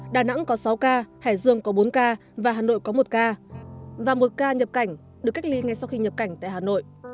đà nẵng có sáu ca hải dương có bốn ca và hà nội có một ca và một ca nhập cảnh được cách ly ngay sau khi nhập cảnh tại hà nội